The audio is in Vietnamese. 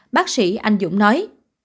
bác sĩ anh dũng nói